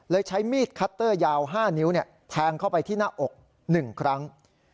ใช้มีดคัตเตอร์ยาว๕นิ้วแทงเข้าไปที่หน้าอก๑ครั้ง